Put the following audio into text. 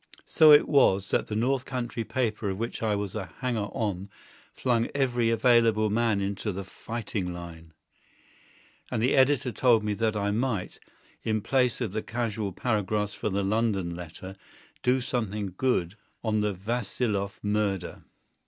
So it was that the North Country paper of which I was a hanger on flung every available man into the fighting line, and the editor told me that I might, in place of the casual paragraphs for the London Letter, do something good on the Vassiloff murder.